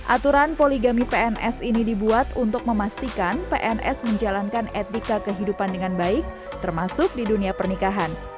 aturan poligami pns ini dibuat untuk memastikan pns menjalankan etika kehidupan dengan baik termasuk di dunia pernikahan